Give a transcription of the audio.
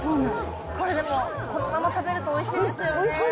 これでも、このまま食べるとおいしいんですよね。